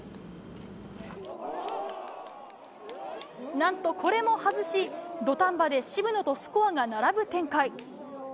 なんと、これも外し、土壇場で渋野とスコアが並ぶ展開。